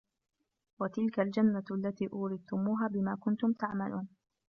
وَتِلكَ الجَنَّةُ الَّتي أورِثتُموها بِما كُنتُم تَعمَلونَ